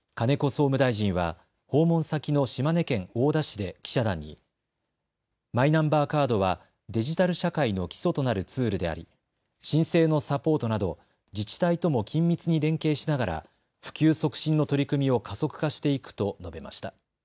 総務大臣は訪問先の島根県大田市で記者団にマイナンバーカードはデジタル社会の基礎となるツールであり申請のサポートなど自治体とも緊密に連携しながら普及促進の取り組みを加速化していくと述べました。